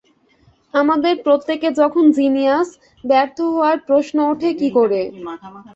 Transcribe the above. আমাদের প্রত্যেকে যখন জিনিয়াস, ব্যর্থ হওয়ার প্রশ্ন ওঠে কী করে?